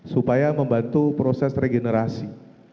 supaya membantu proses regenerasi